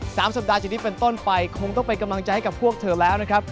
สามสัปดาห์จากนี้เป็นต้นไปคงต้องเป็นกำลังใจให้กับพวกเธอแล้วนะครับ